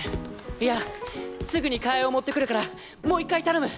いやすぐに替えを持ってくるからもう１回頼む。